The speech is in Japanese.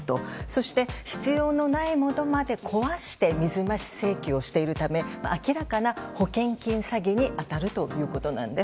そして必要のないものまで壊して水増し請求をしているため明らかな保険金詐欺に当たるということなんです。